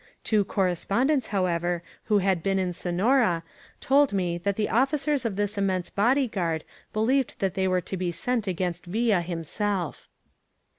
Two correspondents, however, who had been in Sonora, told me that the officers of this immense body guard believed that they were to be sent against Villa hunself.